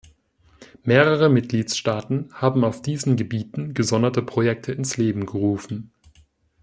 Mehrere Mitgliedstaaten haben auf diesen Gebieten gesonderte Projekte ins Leben gerufen.